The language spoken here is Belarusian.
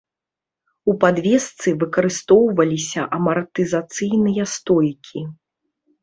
У падвесцы выкарыстоўваліся амартызацыйныя стойкі.